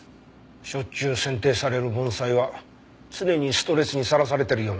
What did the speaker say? しょっちゅう剪定される盆栽は常にストレスにさらされてるようなもんだよね。